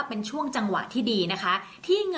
ส่งผลทำให้ดวงชาวราศีมีนดีแบบสุดเลยนะคะ